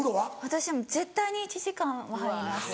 私絶対に１時間は入ります。